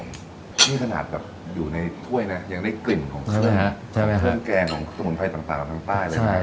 นี่ขนาดอยู่ในถ้วยนะยังได้กลิ่นของเครื่องแกงของสมุนไพรต่างทั้งใต้เลยนะครับ